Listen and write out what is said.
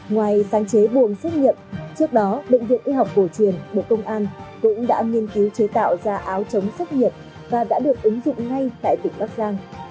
ngoài sáng chế buồng xếp nhậm trước đó bệnh viện y học cổ truyền bộ công an cũng đã nghiên cứu chế tạo ra áo chống xếp nhậm và đã được ứng dụng ngay tại tỉnh bắc giang